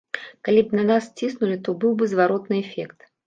Калі б на нас ціснулі, то быў бы зваротны эфект.